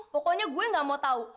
pokoknya gue gak mau tahu